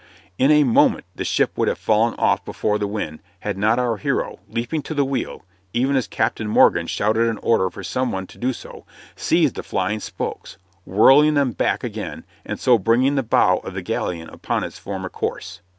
In a moment the ship would have fallen off before the wind had not our hero, leaping to the wheel (even as Captain Morgan shouted an order for some one to do so), seized the flying spokes, whirling them back again, and so bringing the bow of the galleon up to its former course.